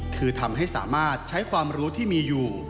คือทำให้สามารถใช้ความรู้ที่มีอยู่